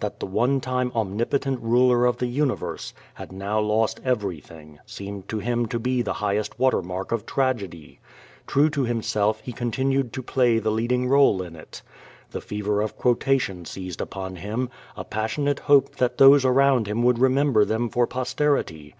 That the one time omnipitent ruler of tn&siniverse had now lost everything seemed to him to be the highpst watermark of tragedy. True to himself he continued to Jglay the leading role in it. The fever of quotation seized upon him, a passion ate hope that those around him would remember them for posterity.